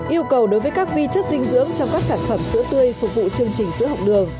yêu cầu đối với các vi chất dinh dưỡng trong các sản phẩm sữa tươi phục vụ chương trình sữa học đường